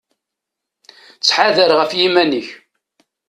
Ttḥadar ɣef yiman-ik.